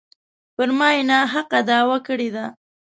پر ما یې ناحقه دعوه کړې ده.